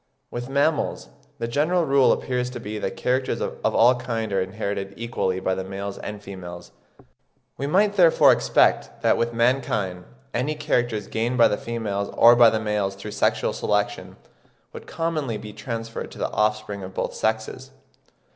With mammals the general rule appears to be that characters of all kinds are inherited equally by the males and females; we might therefore expect that with mankind any characters gained by the females or by the males through sexual selection would commonly be transferred to the offspring of both sexes.